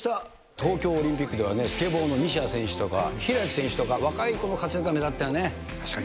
東京オリンピックではスケボーの西矢選手とか開選手とか、若い子の活躍が目立確かに。